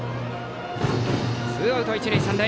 ツーアウト、一塁三塁。